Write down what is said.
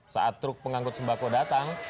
saat truk pengangkut sembako datang